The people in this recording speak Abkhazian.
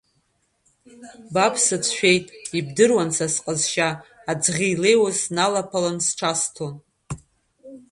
Ба бсыцәшәеит, ибдыруан са сҟазшьа, аӡӷьы илеиуаз сналаԥалан сҽасҭон.